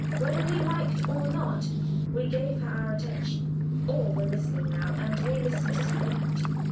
Whether we liked or not we gave her our attention. All were listening now, and we listened to the end.